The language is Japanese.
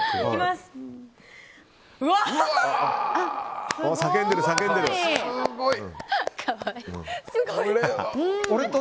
すごい！